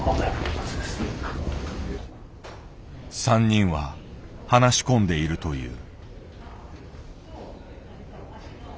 ３人は話し込んでいるという。